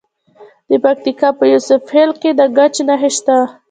د پکتیکا په یوسف خیل کې د ګچ نښې شته.